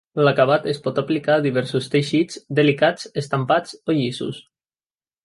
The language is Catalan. L'acabat es pot aplicar a diversos teixits delicats, estampats o llisos.